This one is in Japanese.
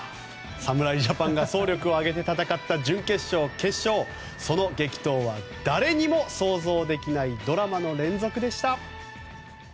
侍ジャパンが総力を挙げ戦った準決勝、決勝その激闘は誰にも想像できないドラマの連続でした。